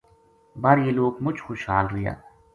بر یہ لوک مُچ خوش خُشحال رہیا۔